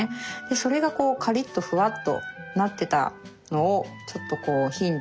それがこうカリッとふわっとなってたのをちょっとこうヒントに。